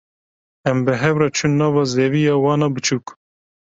Em bi hev re çûn nava zeviya wan a biçûk.